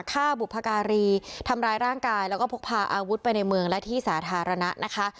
ฆ่าบุพการีทำร้ายร่างกายแล้วก็พกพาอาวุธไปในเมืองและที่สาธารณะนะคะ